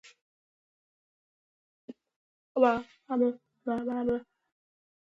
მოლაპარაკებები ხუთი დღის განმავლობაში მიმდინარეობდა სამხრეთ აფრიკის რესპუბლიკის ქალაქ პრეტორიაში.